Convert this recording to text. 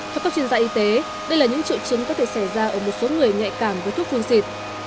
theo các chuyên gia y tế đây là những triệu chứng có thể xảy ra ở một số người nhạy cảm với thuốc phun xịt